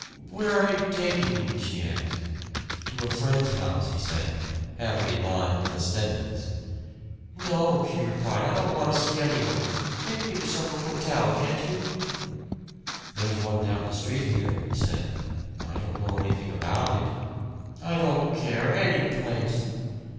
"Where are you taking me?" she asked. "To a friend's house," he said, having in mind the Stedmans. "No," she replied. "I don't want to see anyone. Take me to some hotel, can't you?" "There's one down the street here," he said. "I don't know anything about it." "I don't care. Any place."